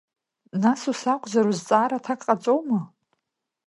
Нас ус акәзар, узҵаара аҭак ҟаҵоума?!